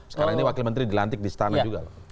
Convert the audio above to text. sekarang ini wakil menteri dilantik di istana juga